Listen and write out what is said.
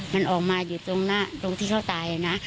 มันออกมาอยู่ตรงที่เขาตายนะ